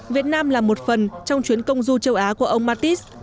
việt nam là một phần trong chuyến công du châu á của ông mattis